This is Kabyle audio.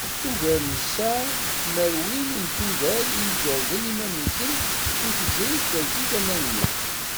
Ugar n ṣa tmerwin n tuddar i ijerrden iman-nsent i tezrigt-agi tamaynut.